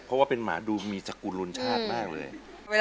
เพราะข้ากู้มีชาติรุนชาติมากเลย